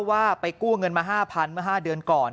ว่าไปกู้เงินมา๕๐๐๐เมื่อ๕เดือนก่อน